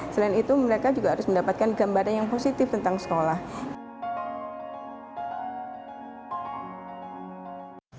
selain itu mereka juga harus mendapatkan gambaran yang positif tentang sekolah